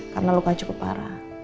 karena luka cukup parah